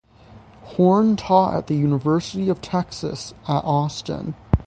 Horn taught at the University of Texas at Austin.